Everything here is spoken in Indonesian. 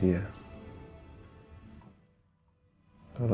saya harus cari dia